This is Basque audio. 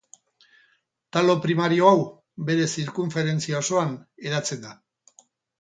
Talo primario hau, bere zirkunferentzia osoan hedatzen da.